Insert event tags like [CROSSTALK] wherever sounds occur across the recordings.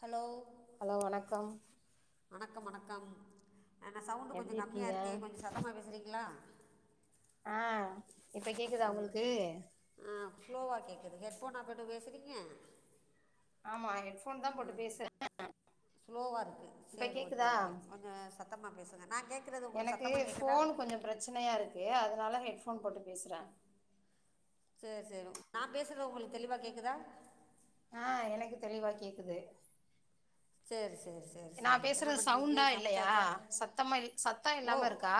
hello hello வணக்கம் வணக்கம் வணக்கம் அ ன சவுண்டு எப்டி கொஞ்சம் கம்மியா இருக்கீங்க இருக்கு கொஞ்சம் சத்தமா பேசுறீங்களா ஆ இப்ப கேக்குதா உங்களுக்கு ஆ ஸ்லோவா கேக்குது ஹெட்ஃபோனா போட்டு பேசுறீங்க ஆமா ஹெட்ஃபோன் தா ஆ போட்டு பேசுறே ஸ்லோவா இருக்கு இப்ப சேரி ஓகே கேக்குதா ஓகே கொஞ்ச சத்தமா பேசுங்க நா கேக் எனக்கு ஃபோன் கொஞ்சோ பிரச்சனையா இருக்கு அதனால ஹெட்ஃபோன் போட்டு பேசுறே சேரி சேரி நா பேசுறது உங்களுக்கு தெளிவா கேக்குதா ஆ எனக்கு தெளிவா கேக்குது சரி சரி சரி நா சரி என்ன பேசுறது பண்ணுறீங்க சவுண்டா இல்லையா சமைச்சாச்சா சத்தமா இல் சத்தோ இல்லாம இருக்கா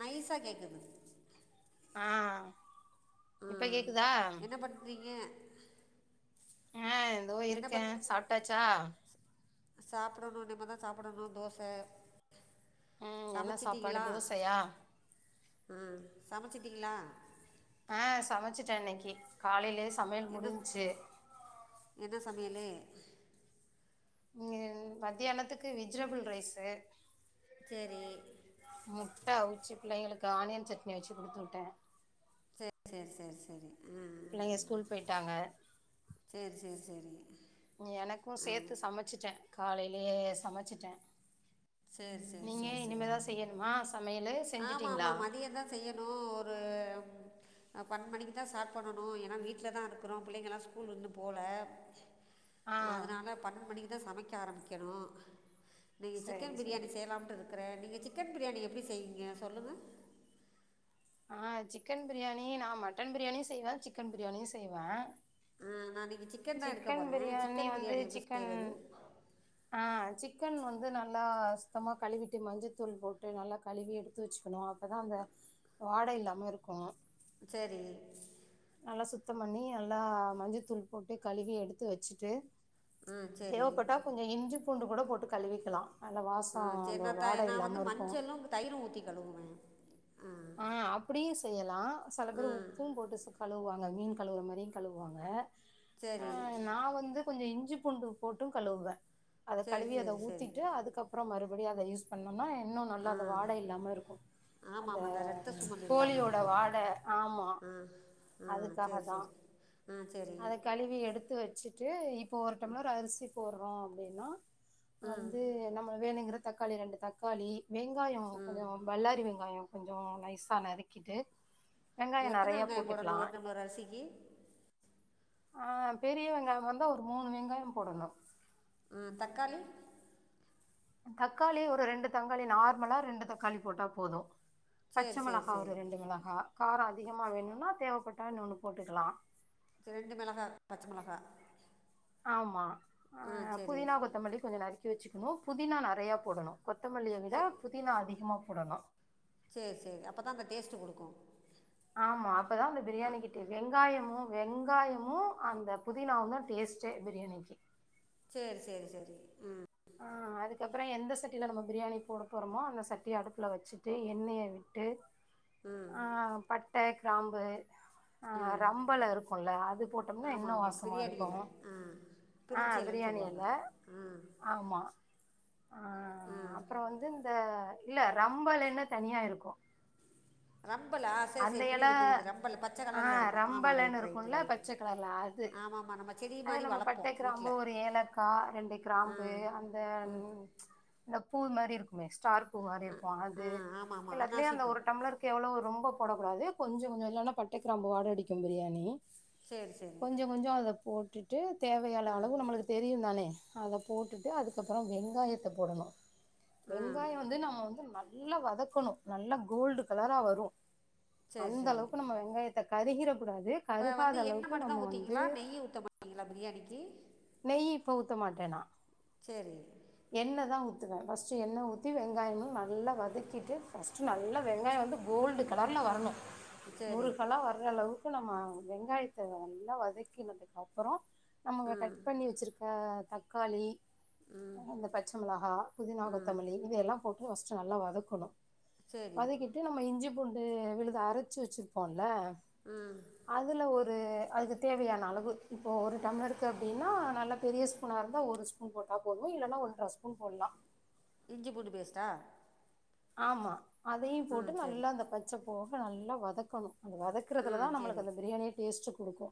நைஸா கேக்குது ஆ இப்ப கேக்குதா ரிங்க ஏதோ இருக்கே சாப்டாச்சா சாப்பிடணு இனிமே தா சாப்பிடணு தோச ம் என்ன சாப்பாடு சமச்சுட்டீங்களா தோசையா ஆ சமச்சுட்டீங்களா ஆ சமச்சட்டே இன்னைக்கி காலையிலேயே சமையல் என்ன முடிஞ்ச்சு என்ன சமையலு இங்க மத்தியானத்துக்கு வெஜிடபுள் ரைஸு சேரி முட்டை அவுச்சு பிள்ளைங்களுக்கு ஆனியன் சட்னி வச்சு குடுத்து விட்டே சேரி சேரி சேரி சேரி பிள்ளைங்க ஸ்கூல் போயிட்டாங்க சேர் சேர் சேரி எனக்கு சேத்து சமச்சுட்டே காலைலையே சமச்சுட்டே சரி சரி நீங்க சரி சரி இனிமேதா செய்யணுமா சமையலு செஞ்சுட்டீங்களா [UNINTELLIGIBLE] தா செய்ய [UNINTELLIGIBLE] த அ பண்னென்டு மணிக்கு தான் ஸ்டார்ட் பண்ணனு ஏனா வீட்ல தா இருக்குறோ புள்ளைங்கலா ஸ்கூல் இன்னு போல [INAUDIBLE] அதனால பன்னென்டடு மணிக்கு தா சமைக்க ஆரம்பிக்கணு இன்னைக்கி சரி சிக்கன் பிரியாணி சரி செய்யலாம்ட்டு இருக் க்குறே நீங்க சிக்கன் பிரியாணி எப்டி செய்வீங்க சொல்லுங்க ஆ சிக்கன் பிரியாணி நா மட்டன் பிரியாணியு செய்வே சிக்கன் பிரியாணியு செய்வே ஆ நா இன்னைக்கு சிக்கன் தா எடுக்க போறே பிரியாணி சிக்கன் வந்து பிரியாணி எப்டி சிக்கன் செய்றது ஆ சிக்கன் வந்து நல்லா சுத்தமா கழுவிட்டு மஞ்சத்தூள் போட்டு நல்லா கழுவி எடுத்து வச்சுக்கணு அப்போதா அந்த வாடை இல்லாம இருக்கு சேரி நல்லா சுத்தம் பண்ணி நல்லா மஞ்ச தூள் போட்டு கழுவி எடுத்து வச்சுட்டு ஆ சரி தேவப்பட்டா கொஞ்சோ இஞ்சி பூண்டு கூட போட்டு கழுவிக்கலா நல்ல வாசம் அந்த வாட இல்லாம இருக்கு தயிரு ஊத்தி கழுவுவே ஆ அப்டியு செய்யலா செல பேர் உப்பும் போட்டு கழுவுவாங்க மீன் கழுவுற மாதிரியு கழுவுவாங்க அ சரி நா வந்து கொஞ்சோ இஞ்சி பூண்டு போட்டு கழுவுவே அத சரி கழுவி சரி அத சரி ஊத்திட்டு அதுக்கப் புறம் மறுபடியு அத யூஸ் பண்ணோனா இன்னு நல்லா அது வாடை இல்லாமல் இருக்கு ஆமாம் அந்த ஆமாம் ரத்த சுமல் இல்லாமல் கோழியோட இருக்கும் வாட ஆமா அதுக்காக தா ம் செரி அத கழுவி எடுத்து வச்சு ட்டு இப்ப ஒரு டம்ளர் ஒரு அரிசி போடுறோ அப்டின்னா வந்து நம் வேணுங்கிற தக்காளி ரெண்டு தக்காளி வெங்காயோ கொஞ்சோ வல்லாரி வெங்காயோ கொஞ்சோ நைஸா நறுக்கிட்டு வெங்காயோ எத்தன நெறைய வெங்காயோ போட்டுக்கலா போடணு ஒரு டம்ளர் அரிசிக்கு ஆ பெரிய வெங்காயம் வந்த ஒரு மூணு வெங்காயம் போடணு ம் தக்காளி தக்காளி ஒரு ரெண்டு தக்காளி நார்மலா ரெண்டு தக்காளி போட்டா போது பச்ச சரி சரி மிளகா சரி ஒரு ரெண்டு மிளகா ரோ அதிகமா வேணுமனா தேவைப்பட்டா இன்னு ஒன்னு போட்டுக்கலா செரி ரெண்டு மிளகா பச்ச மிளகா ஆமா ஆ புதினா கொத்தமல்லி கொஞ்சோ நறுக்கி வச்சுக்கணு புதினா நெறையா போடனு கொத்தமல்லியை விட புதினா அதிகமா போடணு சேரி சேரி அப்போதா அந்த டேஸ்ட்டு குடுக்கு ஆமா அப்பதா அந்த பிரியாணி கிட்ட வெங்காயமு வெங்காயமு அந்த புதினாவு தா டேஸ்ட் சே பிரியாணிக்கு சேரி சேரி சேரி ம் ஆ அதுக்கப்புறோ எந்த சட்டியில்ல நம்ம பிரியாணி போட போகிறோமோ அந்த சட்டியை அடுப்பில்ல வச்சுட்டு எண்ணெய விட்டு ஆ பட்ட கிராம்பு ஆ ரமபல இருக்குல அது போட்டோமனா ஆமாம் இன்னு ஆமாம் வாசமா பிரியாணி இருக்கு இலை ஆ ஆ பிரிஞ்சி இலைன்னு பிரியாணி எல சொல்லுவாங்க ஆ ஆமா ஆ அப்புறோ வந்து இந்த இல்ல ரம்ப இலயினே தனியா இருக்கு ரம்பலா சரி அந்த சரி இல புரியுது புரியுது ரம்பல் பச்சை ஆ கலரில் இருக்கும் ஆமாம் ரம்பலன்னு ரைட் ரைட் இருக்கும்ல ரைட்டு பச்ச கலர்ல அ து ஆமாம்மா நம்ம செடி அது மாதிரி நம்ம பட்ட வளர்ப்போம் கிராம்பு வீட்டில் ஒரு ஏலக்காய் ரெண்டு கிராம்பு அந்த ம்ச் அந்த பூ மாதிரி இருக்குமே ஸ்டார் பூ மாதிரி இருக்கு ஆ அது ஆமாம் ஆமாம் எல்லாத்துலயு அன்னாசி அந்த பூ ஒரு டம்ளர் கேவலோ ரொம்ப போடக்க கூடாது கொஞ்சோ கொஞ்சோ இலைன்னா பட்ட கிராம்பு வாட அடிக்கு பிரியாணி சேரி சேரி கொஞ்ச கொஞ்சோ அத போட்டுட்டு தேவையான அளவு நம்மளுக்கு தெரியு தானே அத போட்டுட்டு அதுக்கப்புறோ வெங்காயத்த போடணு வெங்காயோ வந்து நம்ம வந்து நல் லா வதக்கணு நல்லா கோல்டு கலரா வரு சரி அந்த சரி அளவுக்கு நம்ம வெங்காயத்த கரிகிற கூடாது இப்போ கருகாத வந்து என்ன அளவுக்கு நம்ம மட்டும்தா வந்து ஊத்துவீங்களா நெய் ஊத்த மாட்டீங்களா பிரியாணிக்கு நெய் இப்ப ஊத்த மாட்டே நா சேரி எண்ணெ தா ஊத்துவேன் ஃபஸ்டு எண்ணெ ஊத்தி வெங்காயமு நல்ல வதக்கிட்டு ஃபஸ்ட் டு நல்ல வெங்காயோ வந்து கோல்டு கலர்ல வரணு சரி முறு கலாவர்ர அளவுக்கு நம்ம வெங்காயத்த நல்லா வதக்கினதுக்கு அப்புறோ நம்ம கட் பண்ணி வச்சிருக்க தக்காளி அ இந்த பச்ச மிளகா புதினா கொத்தமலி இதையெல்லா போட்டு ஃபஸ்ட் நல்லா வதக்கணு சரி வதக்கிட்டு நம்ம இஞ்சி பூண்டு விழுத அரச்சு வச்சிருப்போல்ல ம் அதில ஒரு அதுக்கு தேவையான அளவு இப்போ ஒரு டம்ளர் இருக்கு அப்டின்னா நல்லா பெரிய ஸ்பூனாக இருந்தா ஒரு ஸ் பூன் போட்டா போது இல்லனா ஒன்ற ஸ்பூன் போட்லா இஞ்சி பூண்டு பேஸ்ட்டா ஆமா அதையு ஆ போட்டு சரி நல்லா அந்த பச்ச போக நல்லா வதக்கணு வதக் ஆ க்கிறதுல தா நமளுக்கு அந்த பிரியாணியே டேஸ்டு கொடுக்கு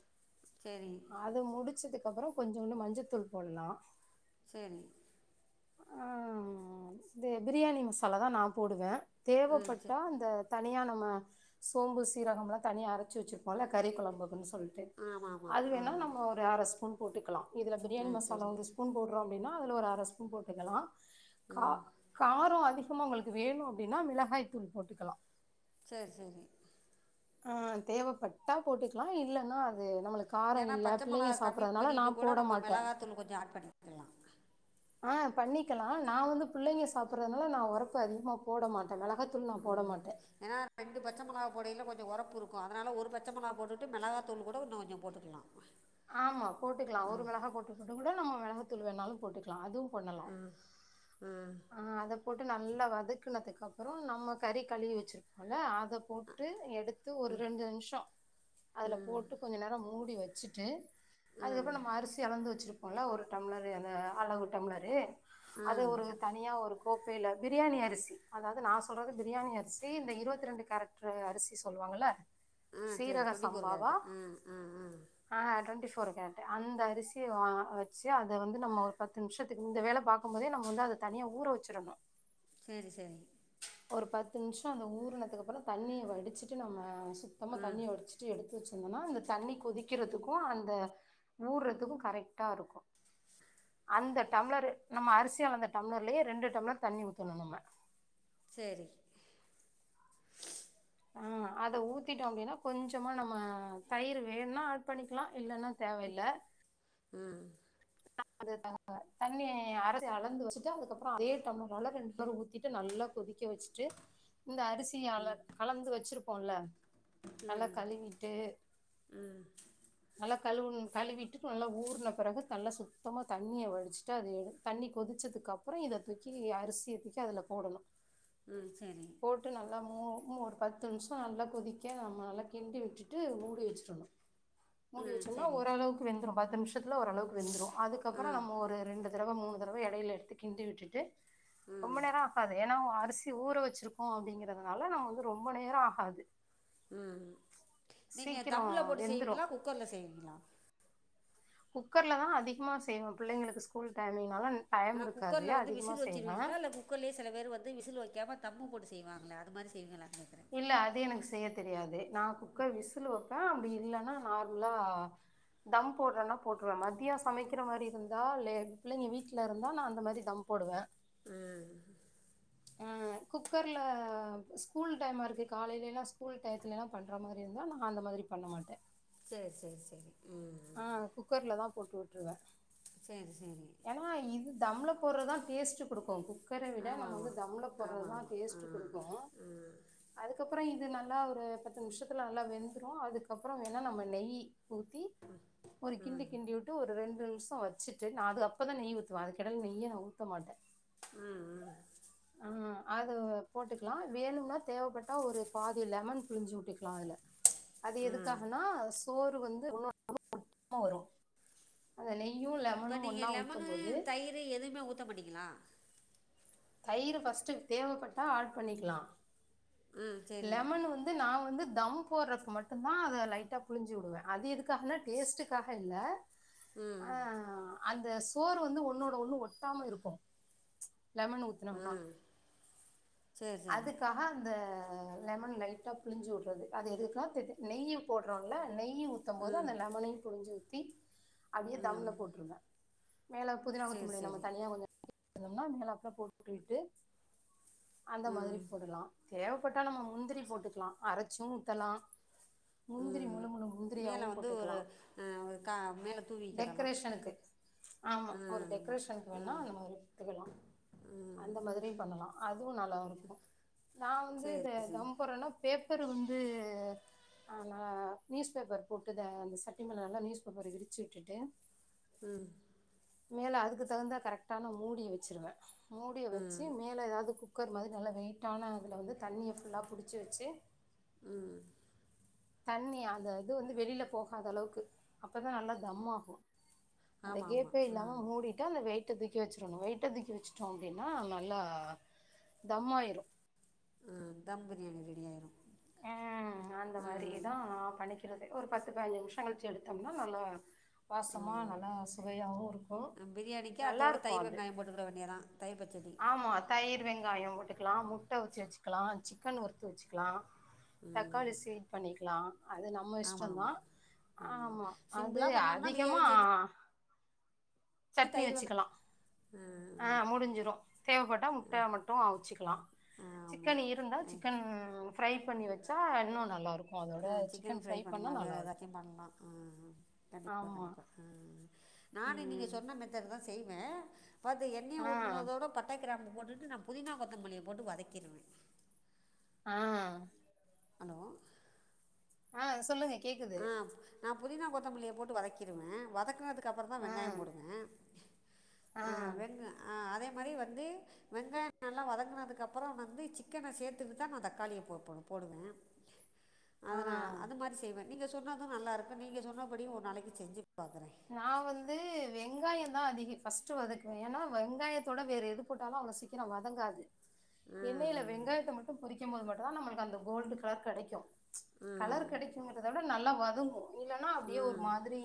சேரி அத முடிச்சதுகப்புறோ கொஞ்சோன்டு மஞ்சத்தூள் போட்லா செரி ஆ து பிரியாணி மசாலா தா நா போடுவே ஆ தேவப்பட்டா சரி அந்த தனியா நம்ம சோம்பு சீரகம்லா தனியா அரச்சி வச்சுருப்போல்ல கறி கொழம்புக்குன் சொல் ஓகே ஆமாம் ஆமாம் ஆ அதுவேணா நம்மோ ஒரு அர ஸ்பூன் போட்டுக்கலாம் இதில பிரியாணி ஆ மசாலா சரி ஒரு ஸ்பூன் போடுறோ அப்டின்னா அதில ஒரு அர ஸ்பூன் போட்டுக்கலா கா ம் காரோ அதிகமா உங்களுக்கு வேணு அப்டின்னா மிளகாய் தூள் போட்டுக்கலா சேர் சேரி ஆ தேவப்பட்டா போட்டுக்கலா இல்லென்னா அது நம்மளுக் ஏன்னா பச்ச மொளகா கம்மி பண்ணிட்டு கூட போட நம்ம மாட்டே மிளகாத்தூள் கொஞ்சோ ஆட் பண்ணிக்கலா ஆ பண்ணிக்கலா நா வந்து பிள்ளைங்க சாப்படுறதுனால நா ஒறப்பு அதிகமா போட மாட்டே மெளகாய் தூள் நா போட மாட்டே ஏன்னா ரெண்டு பச்ச மெளாகா பொடையில கொஞ்சோ ஒறப்பு இருக்கு அதனால ஒரு பச்ச மொளாக போட்டுட்டு மிளகா தூள் கூட இன்னு கொஞ்சோ போட்டுக்கலா ஆமா போட்டுக்கலா ஒரு மிளகா போட்டுக்கட்டு கூட நம்ம மிளகாதூள் வேணாலு போட்டுக்கலா அது பண்ணலாம் ஆ அத போட்டு நல்லா வதக்கனதுக்கு அப்புறோ நம்ம கறி கழுவி வச்சருக்கோல அத போட்டு எடுத்து ஒரு ரெண்டு நிம்ஷோ அதுல போட்டு கொஞ்ச நேரோ மூடி வச்சுட்டு அதுக்கப்புறோ நம்ம அரிசி அளந்து வச்சிருப்போல்ல ஒரு டம்ளரு அந்த அளவு டம்ளரு அது ஒரு தனியா ஒரு கோப்பையில பிரியாணி அரிசி அதாவுது நா சொல்றது பிரியாணி அரிசி இந்த இருவத்தி ரெண்டு கேரட் ற்ற அரிசி சொல்லுவாங்கள ஆ செரி ட்வெண்ட்டி ஃபோர் கேரட்டு ஆ ட்வெண்டி ஃபோர் கேரட் அந்த அரிசி வா வச்சு அத வந்து நம்ம ஒரு பத்து நிம்ஷத் இந்த வேல பாகும்போதே நம்ம வந்து அத தனியா ஊற வச்சிரணு சேரி சேரி ஒரு பத்து நிம்ஷோ அந்த ஊறினதுக்குப்புறோ தண்ணிய வடிச்சுட்டு நம்ம சுத்தமா தண்ணிய வடிச்சு சு எடுத்து வச்சிருந்தேன்னா அந்த தண்ணி கொதிக்கிறதுக்கு அந்த ஊற்றதுக்கு கரெக்ட்டா இருக்கு அந்த டம்ளரு நம்ம அரிசிய அளந்த டம்ளர்லேயே ரெண்டு டம்ளர் தண்ணி ஊத்தணு நம்ம சேரி ஆ அத ஊத்திட்டோ அப்டின்னா கொஞ்சமா நம்ம தயிர் வேணுனா ஆட் பண்ணிக்கலா இல்லன்னா தேவயில்ல ம் அது தண்ணி அரசி அளந்து வச்சுட்டு அதுக்கப்புறோ அதே டம்ளர்ல ரெண்டு பேரு ஊத்திட்டு நல்லா கொதிக்க க்க வச்சுட்டு இந்த அரிசி அ அலந்து வச்சிருப்போல்ல நல்லா கலுவிட்டு நல்லா கழுவனு கழுவிட்டு நல்லா ஊர்ன பெறகு நல்லா சுத்தமா தண்ணிய வடிச்சுட்டு அது எடு தண்ணி கொதிச்சது அப்புற இத தூக்கி அரிசிய தூக்கி அதுல போடணு ம் சரி போட்டு நல்லா மூ ஒரு பத்து நிமிஷ நல்லா கொதிக்க நம்ம நல்லா கிண்டி விட்டுட்டு மூடி வச்சுருணு ஆ மூடி வச்சோம்னா சரி ஓரளவுக்கு வெந்துரு பத்து நிமிஷத்துல ஓரளவுக்கு வெந்துரு ஆ அதுக்கப்புற நம்ம ஒரு ரெண்டு தடவ மூணு தடவ எடையில எடுத்து கிண்டி விட்டுட்டு ரொம்ப நேர ஆகாது ஏன்னா அரிசி ஊற வச்சிருக்கோ அப்படிங்கிறதுனால நம்ம வந்து ரொம்ப நேரோ ஆகாது ம் நீங்க சீக்கிரம் தம்ள போட்டு வெந்துடும் செய்வீங்களா குக்கர்ல செய்வீங்களா குக்கர்ல தா அதிகமாக செய்வோ பிள்ளைங்களுக்கு ஸ்கூல் டைமிங்னால டைம் ஆன இருக்காது குக்கர்ல வந்து அதிகமா விசில் செய்வேன் வச்சிருவீங்களா இல்ல குக் கர்லயே சில பேர் வந்து விசில் வைக்காம தம்மு போட்டு செய்வாங்கள அதுமாரி செய்வீங்களானு கேக்குற இல்ல அது எனக்கு செய்ய தெரியாது நா குக்க விசில் வைப்ப அப்டி இல்லனா நார்மலா தம் போடுறன்னா போட்ருவே மதிய சமைக்கிற மாரி இருந்தா லே பிள்ளைங்க வீட்ல இருந்தா நா அந்த மாரி தம் போடுவ ம் ம் கு குக்கர்ல ஸ்கூல் டைமா இருக்கு காலையிலலா ஸ்கூல் டையத்துலலா பண்ற மாரி இருந்தா நா அந்த மாதிரி பண்ண மாட்ட செரி செரி செரி ம் ஆ குக்கர்ல தா போட்டு வுட்ருவ செரி செரி ஏனா இது தம்ள போடுறதா டேஸ்ட்டு குடுக்கு குக் குக்கர விட ஆமா நம்ம ஆமா வந்து தம்ள ஆமா போடுறதுதா ஆமா ஆ டேஸ்டு குடுக்கு ஆ அதுக்கப்பற இது நல்லா ஒரு பத்து நிமிஷத்துல நல்லா வெந்துரு அதுக்கப்பற வேனா நம்ப நெய் ஊத்தி ம் ஒரு கிண்டு கிண்டி வுட் ஒரு ரெண்டு நிமிஷோ வச்சுட்டு நா அது அப்ப தா நெய் ஊத்துவே அதுக்கெடைல நெய்ய நா ஊத்த மாட்டே ம் ம் ம் அது போட்டுகலா வேணும்னா தேவபட்டா ஒரு பாதி லெமன் பிழுஞ்சு விட்டுக்கலா அதுல அது எதுக்காகனா சோறு வந்து ஒன்னு [UNINTELLIGIBLE] வரு அந்த நெய்யு லெம அப்ப நீங்க லெமனு தயிரு எதுமே ஊத்த மாடிங்களா தயிர் ஃபஸ்ட் தேவபட்டா ஆட் பண்ணிக்லா ம் சரி லெமன் வந் து நா வந்து தம் போரது மட்டு தா அத லைட்டாப் புழிஞ்சு வுடுவ அது எதுக்காகனா டேஸ்ட்காக இல்ல அ அந்த சோறு வந்து ஒன்னோடு ஒண்ணு ஒட்டாம இருக்கு லெமன் ஊத்துனம்னா சரி சரி அதுக்காக அந்த லெமன் லைட்டா புழிஞ்சு வுடுறது அது எதுக்கா தெதெ நெய் போடுறோல நெய் ஊத் தும் போது அந்த லெமனையு புழிஞ்சி ஊத்தி அப்டியே தம்ள போட்ருங்க மேல புதினா கொத்த சரி மல்லி நம்ம சரி தனியா கொஞ்ச [UNINTELLIGIBLE] மேல இப்ப போட்டுட்டு அந்த மாதிரி போடலா தேவபட்டா நம்ம முந்திரி போட்டுக்கலா அரச்சு ஊத்தலா முந்திரி ம் முழு முழு முந்திரியாவு மேலே வந்து போட்டுக்கலா ஒரு ஆ, ஒரு கா மேலே தூவிக்கிடலாம் டெக்கரேஷனுக்கு ஆமா ஆ ஒரு ஆமாம் டெக்ரேஷனுக்கு ஆ வேனா அந்த மாரி எத்துக்கலா ம் அந்த மாதுரியு பண்ணலா அதுவு நல்லா இருக்கு நா வந்து சரி இந்த சரி தம் பொட்றனா பேப்பரு உந்து ஆனா நியூஸ் பேப்பர் போட்டு இத அந்த சட்டிமெல நல்லா நியூஸ் பேப்பரு விருச்சு விட்டுட்டு ம் மேல அதுக்கு தகுந்த கரெட்டான மூடிய வச்சிருவே மூடிய வச்சு ம் மேல எதாது குக் குக்கர் மாதுரி நல்லா வெயிட்டான அதுல வந்து தண்ணிய ஃபுல்லா புடுச்சு வச்சு ம் தண்ணி அந்த இது வந்து வெளில போகாத அளவுக்கு அப்பதா நல்லா தம் ஆகு அந்த ஆமாம் கேப்பே ஆமாம் இல்லாம ம் மூடி [UNINTELLIGIBLE] அந்த வெய்ட்ட தூக்கி வச்சுரனு வெய்ட்ட தூக்கி வச்சுட்டோ அப்டின்னா நல்லா தம்மாயிரு அ தம் பிரியாணி ரெடி ஆயிரு அ அந்த மாரியெதா பண்ணிக்கிறது ஒரு பத்து பதின்ஞ்சு நிமிஷோ கழிச்சு எடுத்தொம்னா நல்லா வாசமா ம் நல்லா சுவையாவு இருக்கு நல்லாருக்கு அது [UNINTELLIGIBLE] வேண்டியதா தயிர் பச்சடி ஆமா தயிர் வெங்காயோ போட்டுக்கலா முட்ட அவ்ச்சு வெச்சுகலா சிக்கன் வருத்து வெச்சுக்கலா ம் தக்காளி ஸ்வீட் பண்ணிக்கலா அது நம்ம ஆமாம் இஷ்டந்தா ஆமாம் ம் ஆமா அது சிம்பிளாக பண்ணோம்னா அதிகமா பிரியாணி செஞ்சு தயிர் சட்னி வெங்காயம் வச்சுக்கலா ஆ அ ஆமாம் முடுஞ்சுரு தேவப்பட்டா ஆ முட்டய மட்டு அவுச்சுக்கலா சிக்கன் ஆமாம் இருந்தா ஆ சிக்கன் ஃப்ரை பண்ணி வச்சா இன்னு நல்லா இருக்கு அ சிக்கன் ஃப்ரை பண்ணலா வேறு எதாச்சு பண்லா ஆ கண்டிப்பா ஆமா கண்டிப்பா ஆ நானு நீங்க ம் சொன்ன மெத்தடுதா செய்வே பத் ஆ எண்ணெய ஊத்துனதோட பட்டக் கிராம்பு போட்டுட்டு நா புதினா கொத்தமல்லிய போட்டு வதக்கிருவே ஆ அலோ ஆ சொல்லுங்க கேக்குது அ நா புதினா கொத்தமல்லிய போட்டு வதக்கிருவே வதக்குனதுக் துக்கப்பறொந் தா ஆ வெங்காயோ போடுவே ஆ அ வெங்க அ அதே மாரி வந்து வெங்காயெ நல்லா வதங்குனதுக்கு அப்பறோ வந்து சிக்கன சேத்துட்டு தா நா தக்காளிய போ பொ போடுவே ஆ அது நா அது மாரி செய்வே நீங்க சொன்னது நல்லா இருக்கு நீங்க சொன்னபடி ஒரு நாளக்கி செஞ்சு பாக்குறே நா வந்து வெங்காயந் தா அதிக ஃபஸ்ட்டு வதக்குவே ஏன்னா வெங்காயத்தோட வேற எது போட்டாலு அவ்ளோ சீக்கரொ வதங்காது ஆ எண்ணெயில ஆ வெங்காயத்த மட்டு பொறிக்கும் போது மட்டுந்தா நம்மளுக்கு அந்த கோல்டு கலர் கெடைக்கு ஆ கலர் கெடைக்குங்கறத விட நல்லா வதங்கு இல்லன்னா அப்டியே ஒரு மாதுரி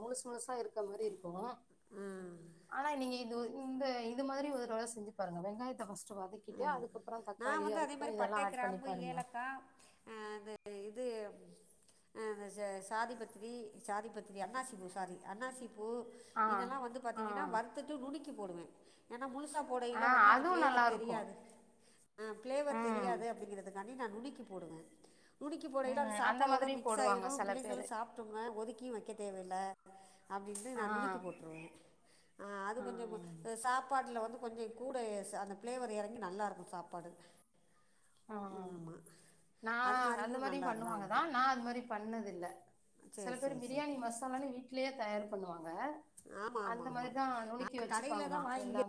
முழுசா முழுசா இருக்க மாரி இருக்கு ஆனா நீங்க இது இந்த இது மாரி ஒரு த்ரவ செஞ்சு பாருங்க வெங்காயத்த ஃபஸ்ட்டு வதக் ம் நா வந்து அதே மாரி பட்டை ஆட் பண்ணி கிராம்பு பாருங்க ஏலக்கா அ அது அ இது அ இந்த ச சாதி பத்திரி சாதி பத்திரி அண்ணாசி பூ சாரி அண்ணாசி பூ ஆ இதெல்லா வந்து ஆ பாத்திங்கன்னா வறுத்துட்டு நுணுக்கி போடுவே ஏன்னா முழுசா ஆ போடையில வந்து அந்த அதுவு நல்லா ப்ளேவர் இருக்கு தெரியாது ப்ளேவர் ம் தெரியாது அப்டிங்கிற துக்காண்டி நா நுணுக்கி போடுவே நுணக்கி போடயில அது ம் அந்த சாப்பாடோட மாதிரியு மிக்ஸ் போடுவாங்க ஆய்ரு செல பிள்ளைங்களு பேரு சாப் ட்ருங்க ஒதுக்கி வக்கெ தேவ இல்ல அப்டின்னு நா ஆ நுணுக்கி போட்ருவே அ அது ஆ கொஞ்சொ கு சாப்பாட்ல வந்து கொஞ்சொ கூட ச அந்த ஃப்ளேவர் இறங்கி நல்லா இருக்கு சாப்பாடு ஆ ஆமா நா அது அந்த மாதிரியும் மாரி நல்லா தான் பண்ணுவாங்கதா இருக்கும் நா அந்த மாரி பண்ணது இல்ல சில சரி பேர் சரி சரி பிரியாணி மசாலானு வீட்லயே தயார் பண்ணுவாங்க ஆமாம் அந்த ஆமாம் ஆமாம் மாதிரிதா நுணுக்கி நான் கடையில் வச்சுப்பாங்களா தான் எல்லாமே வாங்கி